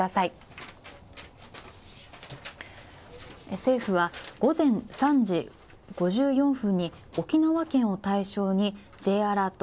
政府は午前３時５４分に沖縄県を対象にＪアラート